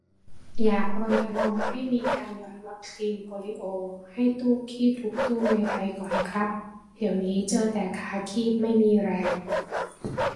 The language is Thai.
อยากรณรงค์ให้มีการหยอดวัคซีนโปลิโอให้ตู้คีบทุกตู้ในไทยก่อนครับ เดี๋ยวนี้เจอแต่ขาคีบไม่มีแรง